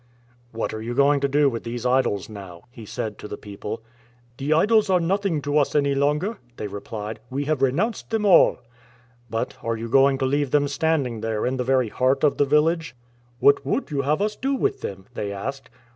" What are you going to do with these idols now ?"" he said to the people. "The idols are nothing to us any longer,"*' they replied; " we have renounced them all." "But are you gohig to leave them standing there in the very heart of the village ?"" What would you have us do with them ?" they asked.